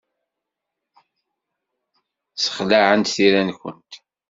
Ssexlaɛent tira-nkent.